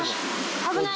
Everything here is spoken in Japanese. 危ない。